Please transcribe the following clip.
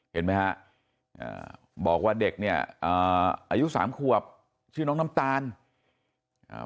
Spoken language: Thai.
เห็นไหมฮะอ่าบอกว่าเด็กเนี่ยอ่าอายุสามขวบชื่อน้องน้ำตาลอ่า